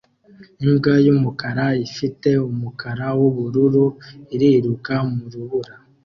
Imbwa yumukara ifite umukara wubururu iriruka mu rubura